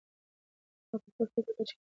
ما پخوا فکر کاوه چې کباب یوازې د شتمنو دی.